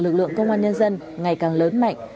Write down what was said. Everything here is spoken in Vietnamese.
lực lượng công an nhân dân ngày càng lớn mạnh